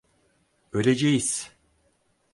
Öleceğiz!